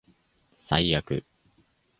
最悪